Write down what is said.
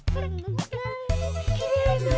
きれいね！